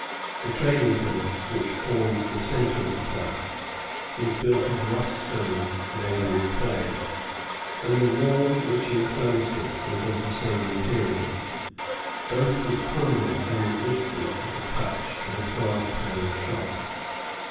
The trading house, which formed the centre of the place, was built of rough stone laid in clay, and the wall which enclosed it was of the same materials; both would crumble in an instant at the touch of a twelve pound shot.